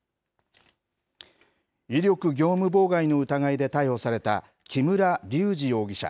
威力業務妨害の疑いで逮捕された木村隆二容疑者。